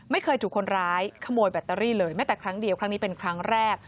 ไม่เคยถูกคนร้ายขโมยแบตเตอรี่เลยแม้แต่ครั้งเดียวครั้งนี้เป็นครั้งแรก